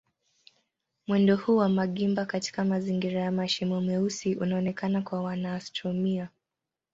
Mwendo huu wa magimba katika mazingira ya mashimo meusi unaonekana kwa wanaastronomia.